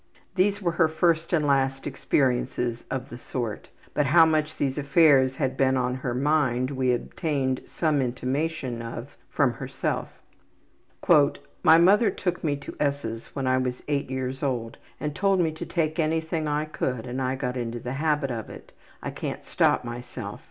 These were her first and last experiences of the sort, but how much these affairs had been on her mind we obtained some intimation of from herself. ``My mother took me to S's when I was 8 years old and told me to take anything I could and I got into the habit of it. I can't stop myself.